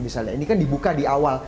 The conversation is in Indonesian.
misalnya ini kan dibuka di awal